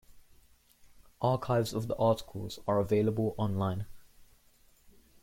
Archives of the articles are available online.